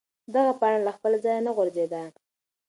دغه پاڼه له خپل ځایه نه غورځېده.